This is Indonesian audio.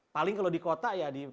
paling kalau di kota ya